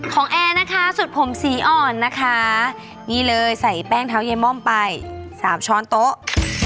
แอร์นะคะสุดผมสีอ่อนนะคะนี่เลยใส่แป้งเท้าเยม่อมไป๓ช้อนโต๊ะ